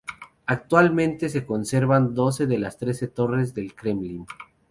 Actualmente se conservan doce de las trece torres del Kremlin.